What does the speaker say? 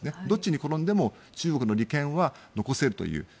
どっちに転んでも中国の利権は残せるという。